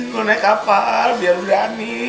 lo naik kapal biar berani